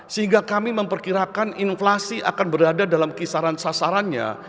sehingga kami memperkirakan inflasi akan berada dalam kisaran sasarannya